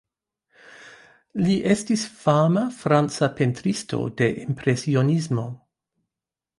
Li estis fama franca pentristo, de Impresionismo.